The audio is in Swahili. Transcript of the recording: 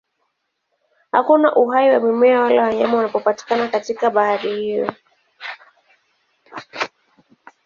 Hakuna uhai wa mimea wala wanyama unaopatikana katika bahari hiyo.